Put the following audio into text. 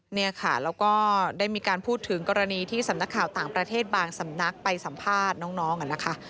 เนี่ยค่ะแล้วก็ได้มีการพูดถึงกรณีที่สำนักข่าวต่างประเทศบางสำนักไปสัมภาษณ์น้องนะคะ